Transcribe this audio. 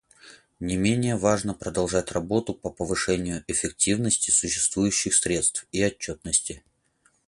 Не менее важно продолжать работу по повышению эффективности существующих средств и отчетности.